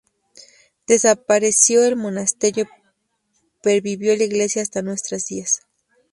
Desaparecido el monasterio, pervivió la iglesia hasta nuestros días.